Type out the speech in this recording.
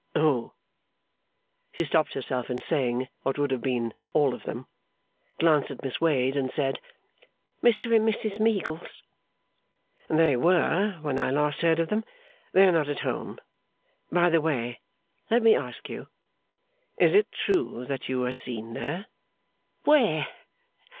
'Who?' She stopped herself in saying what would have been 'all of them;' glanced at Miss Wade; and said 'Mr and Mrs Meagles.' 'They were, when I last heard of them. They are not at home. By the way, let me ask you. Is it true that you were seen there?' 'Where?